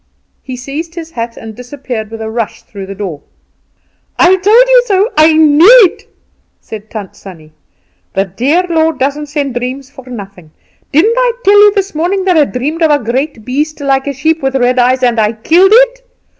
He seized his hat, and disappeared with a rush through the door. "I told you so! I knew it!" said Tant Sannie. "The dear Lord doesn't send dreams for nothing. Didn't I tell you this morning that I dreamed of a great beast like a sheep, with red eyes, and I killed it?